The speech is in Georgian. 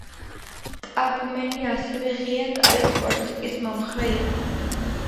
ტაბმენი ასევე „ღია კარის პოლიტიკის“ მომხრე იყო.